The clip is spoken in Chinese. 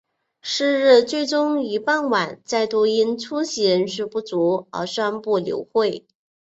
是日最终于傍晚再度因出席人数不足而宣布流会。